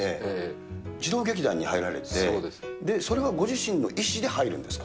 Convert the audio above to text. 児童劇団に入られて、それはご自身の意思で入るんですか？